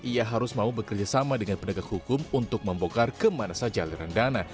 ia harus mau bekerja sama dengan pendegak hukum untuk membongkar kemana saja aliran dana